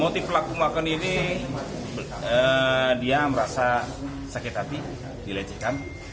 motif pelaku makan ini dia merasa sakit hati dilecehkan